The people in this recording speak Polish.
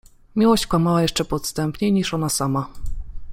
Miłość kłamała jeszcze podstępniej niż ona sama.